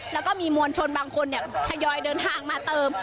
แล้วก็มีมวลชนบางคนทยอยเดินทางมาเติม